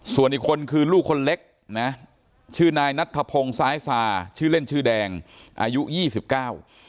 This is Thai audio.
ส่วนอีกคนคือลูกคนเล็กนะชื่อนายนัทธพงศ์ซ้ายซาชื่อเล่นชื่อแดงอายุยี่สิบเก้า